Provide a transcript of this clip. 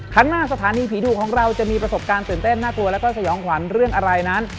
ข้างหน้าสถานีผีดุของเราจะมีประสบการณ์ตื่นเต้นน่ากลัวแล้วก็สยองขวัญเรื่องอะไรนั้น